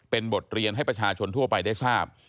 เป็นบทเรียนให้ประชาชนทั่วไปได้ทราบ